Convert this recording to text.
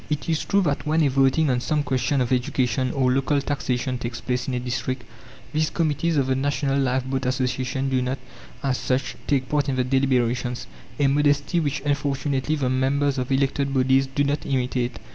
It is true that when a voting on some question of education or local taxation takes place in a district, these committees of the National Lifeboat Association do not, as such, take part in the deliberations a modesty, which unfortunately the members of elected bodies do not imitate.